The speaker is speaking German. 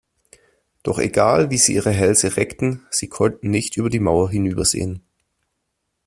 Doch egal, wie sie ihre Hälse reckten, sie konnten nicht über die Mauer hinübersehen.